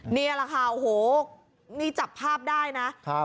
นี่แหละค่ะโอ้โหนี่จับภาพได้นะ